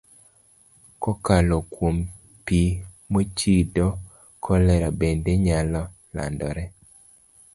Kokalo kuom pi mochido, kolera bende nyalo landore.